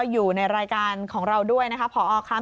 อยู่ในรายการของเราด้วยนะครับผอค่ะ